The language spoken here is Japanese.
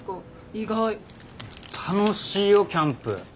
意外楽しいよキャンプ